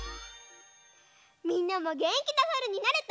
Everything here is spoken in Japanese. みんなもげんきなさるになれた？